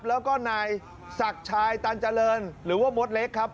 แล้วก็นายศักดิ์ชายตันเจริญหรือว่ามดเล็กครับ